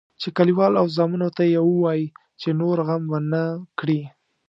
چې کلیوال او زامنو ته یې ووایي چې نور غم ونه کړي.